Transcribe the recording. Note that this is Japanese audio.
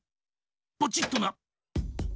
ポチっとな。